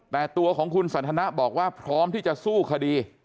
แต่ตัวของคุณสันทนะบอกว่าพร้อมที่จะสู้คดี